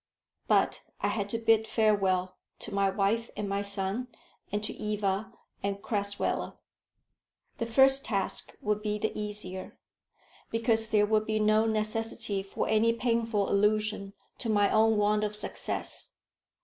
But I had to bid farewell to my wife and my son, and to Eva and Crasweller. The first task would be the easier, because there would be no necessity for any painful allusion to my own want of success.